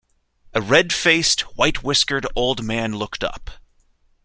A red-faced, white-whiskered old man looked up.